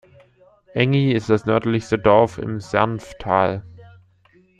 Engi ist das nördlichste Dorf im Sernftal.